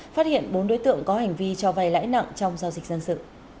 phát hiện bốn đối tượng có hành vi cho vay lãi nặng trong giao dịch dân sự